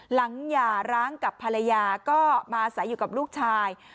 หย่าร้างกับภรรยาก็มาใส่อยู่กับลูกชาย